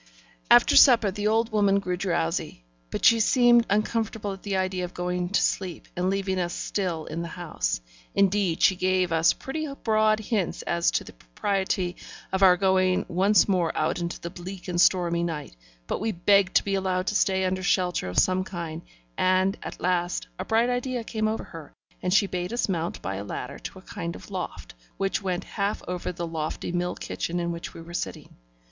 After supper, the old woman grew drowsy; but she seemed uncomfortable at the idea of going to sleep and leaving us still in the house. Indeed, she gave us pretty broad hints as to the propriety of our going once more out into the bleak and stormy night; but we begged to be allowed to stay under shelter of some kind; and, at last, a bright idea came over her, and she bade us mount by a ladder to a kind of loft, which went half over the lofty mill kitchen in which we were sitting.